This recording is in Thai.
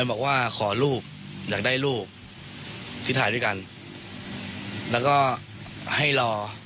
บอกว่าขอลูกอยากได้รูปที่ถ่ายด้วยกันแล้วก็ให้รอ